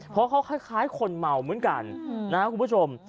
เพราะเขาคล้ายคนเมาเหมือนกันนะครับคุณผู้ชม